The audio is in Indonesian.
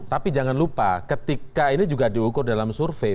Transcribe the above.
tapi jangan lupa ketika ini juga diukur dalam survei